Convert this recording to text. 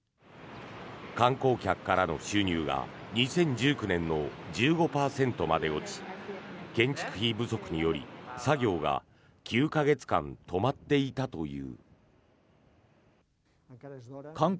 観光客からの収入が２０１９年の１５％まで落ち建築費不足により作業が９か月間止まっていたという。